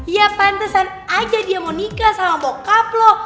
ya pantesan aja dia mau nikah sama bokap loh